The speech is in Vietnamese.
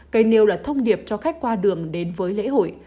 cây nêu là thông điệp cho khách qua đường đến với lễ hội